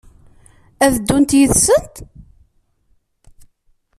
Ad d-ddunt yid-sent?